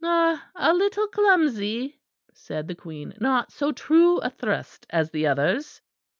"Ah, a little clumsy!" said the Queen; "not so true a thrust as the others."